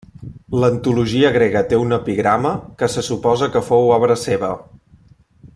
L'antologia grega té un epigrama que se suposa que fou obra seva.